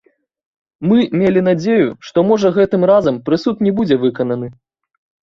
Мы мелі надзею, што, можа, гэтым разам прысуд не будзе выкананы.